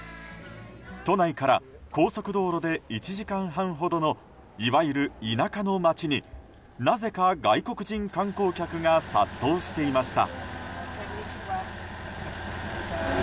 都内から高速道路で１時間半ほどのいわゆる田舎の町になぜか、外国人観光客が殺到していました。